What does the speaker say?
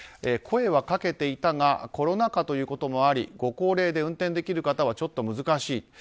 声はかけていたがコロナ禍ということもありご高齢で運転できる方はちょっと難しい。